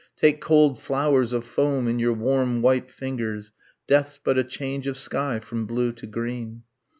Take cold flowers of foam in your warm white fingers! Death's but a change of sky from blue to green